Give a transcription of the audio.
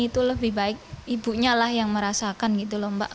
itu lebih baik ibunya lah yang merasakan gitu loh mbak